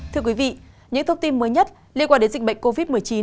thưa quý vị những thông tin mới nhất liên quan đến dịch bệnh covid một mươi chín